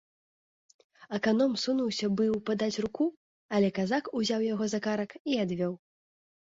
Аканом сунуўся быў падаць руку, але казак узяў яго за карак і адвёў.